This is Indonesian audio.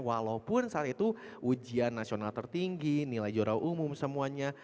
walaupun saat itu ujian nasional tertinggi nilai juara umum semuanya